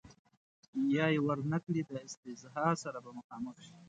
یا یې ور نه کړي د استیضاح سره به مخامخ شي.